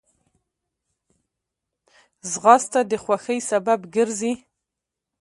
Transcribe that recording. ځغاسته د خوښۍ سبب ګرځي